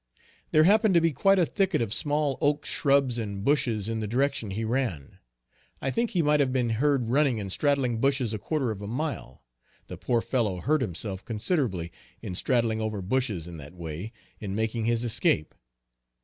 There happened to be quite a thicket of small oak shrubs and bushes in the direction he ran. I think he might have been heard running and straddling bushes a quarter of a mile! The poor fellow hurt himself considerably in straddling over bushes in that way, in making his escape.